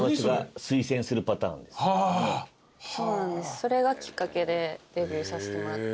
そうなんですそれがきっかけでデビューさせてもらって。